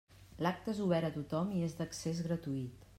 L'acte és obert a tothom i és d'accés gratuït.